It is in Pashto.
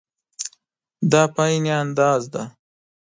دا په عین اندازه ده.